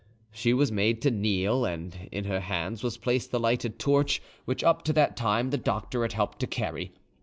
She was made to kneel, and in her hands was placed the lighted torch, which up to that time the doctor had helped to carry.